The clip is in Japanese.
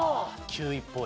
９位っぽい。